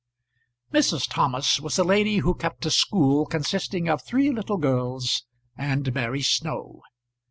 Mrs. Thomas was a lady who kept a school consisting of three little girls and Mary Snow.